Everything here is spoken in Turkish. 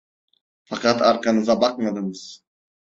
Fakat arkanıza bakmadınız!